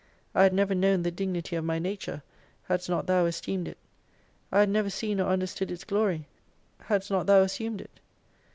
I had never known the dignity of my nature, hadst not Thou esteemed it : I had never seen or understood its glory, hadst not Thou assumed it.